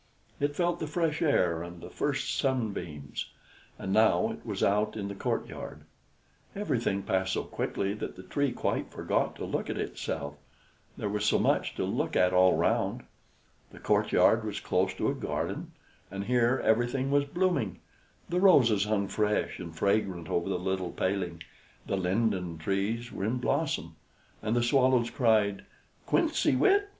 It felt the fresh air and the first sunbeams, and now it was out in the courtyard. Everything passed so quickly that the Tree quite forgot to look at itself, there was so much to look at all round. The courtyard was close to a garden, and here everything was blooming; the roses hung fresh and fragrant over the little paling, the linden trees were in blossom, and the swallows cried, "Quinze wit!